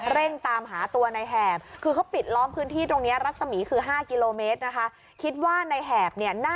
เร่งตามหาตัวในแหบ